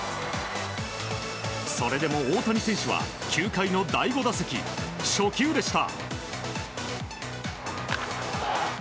それでも大谷選手は９回の第５打席、初球でした。